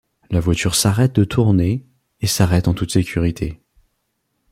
La voiture s'arrête de tourner et s'arrête en toute sécurité.